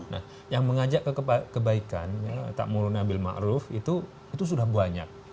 nah yang mengajak kebaikan takmurunabilma'ruf itu sudah banyak